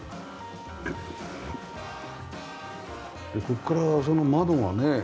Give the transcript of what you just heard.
ここからその窓がね